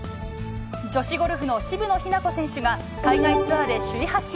女子ゴルフの渋野日向子選手が、海外ツアーで首位発進。